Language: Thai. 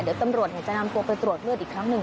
เดี๋ยวตำรวจจะนำตัวไปตรวจเลือดอีกครั้งหนึ่ง